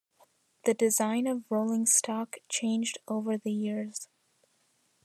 The design of rolling stock changed over the years.